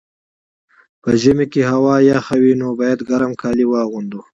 په ژمي کي هوا یخه وي، نو باید ګرم کالي واغوندو.